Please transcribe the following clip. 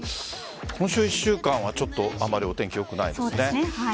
今週１週間はちょっとあまりお天気良くないですね。